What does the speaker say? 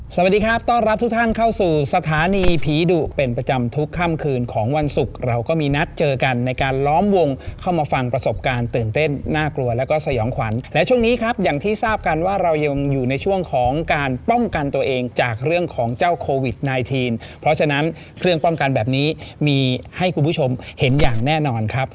สวัสดีครับต้อนรับทุกท่านเข้าสู่สถานีผีดุเป็นประจำทุกค่ำคืนของวันศุกร์เราก็มีนัดเจอกันในการล้อมวงเข้ามาฟังประสบการณ์ตื่นเต้นน่ากลัวแล้วก็สยองขวัญและช่วงนี้ครับอย่างที่ทราบกันว่าเรายังอยู่ในช่วงของการป้องกันตัวเองจากเรื่องของเจ้าโควิดไนทีนเพราะฉะนั้นเครื่องป้องกันแบบนี้มีให้คุณผู้ชมเห็นอย่างแน่นอนครับ